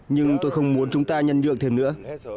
nhưng tôi không muốn chúng ta nhân nhượng thêm nữa